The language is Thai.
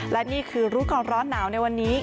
และนี่คือรู้ก่อนร้อนหนาวในวันนี้